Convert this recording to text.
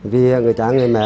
vì người cha người mẹ